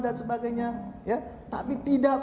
dan sebagainya ya tapi tidak